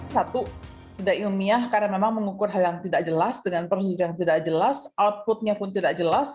satu sudah ilmiah karena memang mengukur hal yang tidak jelas dengan prosedur yang tidak jelas outputnya pun tidak jelas